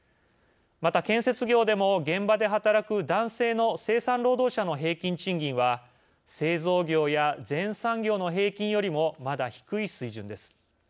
また、建設業でも現場で働く男性の生産労働者の平均賃金は製造業や全産業の平均よりもまだ低い水準です。